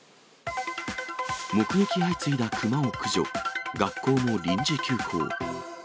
目撃相次いだ熊を駆除、学校も臨時休校。